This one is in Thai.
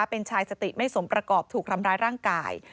เป็นชายสติไม่สมประกอบถูกทำร้ายร่างกาย